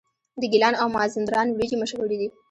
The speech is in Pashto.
د ګیلان او مازندران وریجې مشهورې دي.